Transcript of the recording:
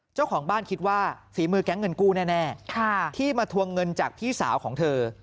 เจ้าของบ้านคิดว่าฝีมือแก๊งเงินกู้แน่ที่มาทวงเงินจากพี่สาวของเธอ